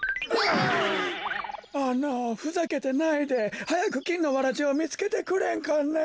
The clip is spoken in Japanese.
あのふざけてないではやくきんのわらじをみつけてくれんかね。